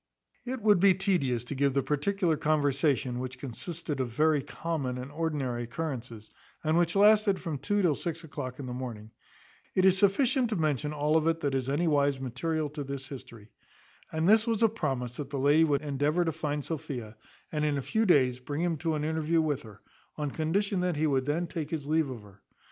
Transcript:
It would be tedious to give the particular conversation, which consisted of very common and ordinary occurrences, and which lasted from two till six o'clock in the morning. It is sufficient to mention all of it that is anywise material to this history. And this was a promise that the lady would endeavour to find out Sophia, and in a few days bring him to an interview with her, on condition that he would then take his leave of her.